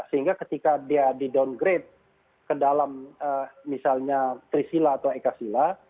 sehingga ketika dia di downgrade ke dalam misalnya trisila atau ekasila